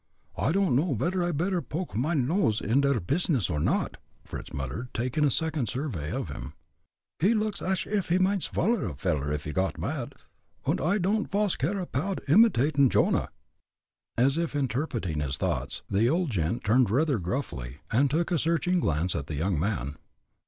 "I don'd know vedder I better poke mine nose inder dis pizness, or not," Fritz muttered, taking a second survey of him. "He looks like ash if he might swaller a veller off he got mad, und I don'd vas care apoud imitadin' Jonah." As if interpreting his thoughts, the old gent turned rather gruffly, and took a searching glance at the young man.